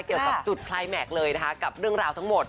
เกี่ยวกับจุดคลายแม็กซ์เลยนะคะกับเรื่องราวทั้งหมด